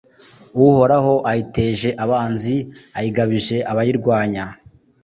Uhoraho ayiteje abanzi, ayigabije abayirwanya.